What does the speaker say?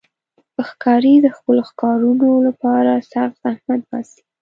ښکاري د خپلو ښکارونو لپاره سخت زحمت باسي.